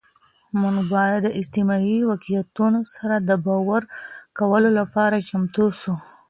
مونږ باید د اجتماعي واقعیتونو سره د باور کولو لپاره چمتو سو.